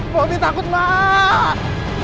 bobby takut mak